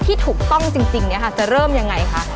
ที่ถูกต้องจริงจะเริ่มอย่างไรคะ